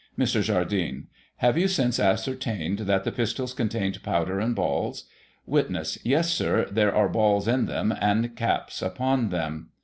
Mr. Jardine : Have you since ascertained that the pistols contained powder and balls? Witness : Yes, Sir ; there are balls in them, and caps upon them.